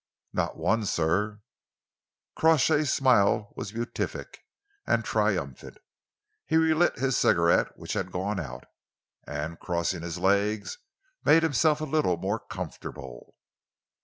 "Not one, sir." Crawshay's smile was beatific and triumphant. He relit his cigarette which had gone out, and, crossing his legs, made himself a little more comfortable.